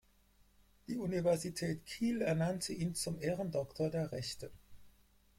Die Universität Kiel ernannte ihn zum Ehrendoktor der Rechte.